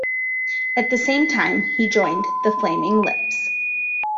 At the same time, he joined The Flaming Lips.